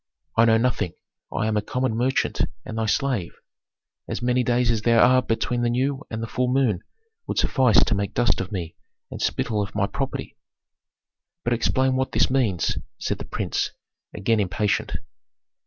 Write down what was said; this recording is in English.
"I know nothing I am a common merchant, and thy slave as many days as there are between the new and the full moon would suffice to make dust of me and spittle of my property." "But explain what this means," said the prince, again impatient.